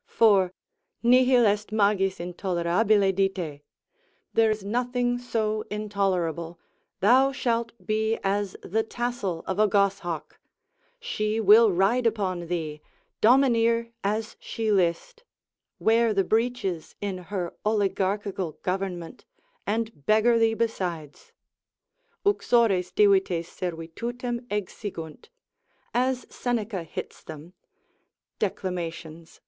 For—nihil est magis intolerabile dite, there's nothing so intolerable, thou shalt be as the tassel of a goshawk, she will ride upon thee, domineer as she list, wear the breeches in her oligarchical government, and beggar thee besides. Uxores divites servitutem exigunt (as Seneca hits them, declam. lib.